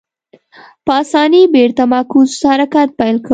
په اسانۍ بېرته معکوس حرکت پیل کړي.